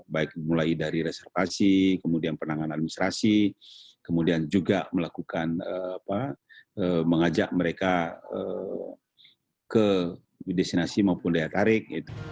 baik mulai dari reservasi kemudian penanganan administrasi kemudian juga melakukan mengajak mereka ke destinasi maupun daya tarik